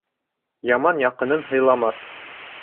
Яман яҡынын һыйламаҫ.